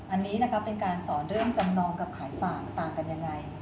อันนี้นะคะเป็นการสอนเรื่องจำนองกับขายฝากต่างกันยังไง